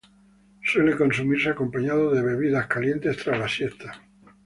Suele consumirse acompañado de bebidas calientes tras la siesta.